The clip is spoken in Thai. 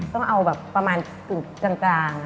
ต้องเอาประมาณสุดจาง